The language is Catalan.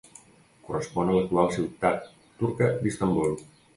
Correspon a l'actual ciutat turca d'Istanbul.